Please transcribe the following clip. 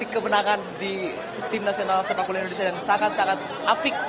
kemenangan di tim nasional sepak bola indonesia yang sangat sangat apik